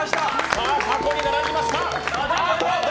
さあ、過去に並びました！